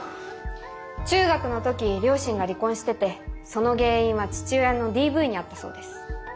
中学の時両親が離婚しててその原因は父親のＤＶにあったそうです。